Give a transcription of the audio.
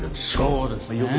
そうですね。